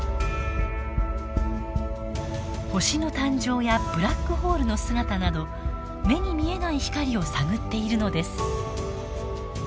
星の誕生やブラックホールの姿など目に見えない光を探っているのです。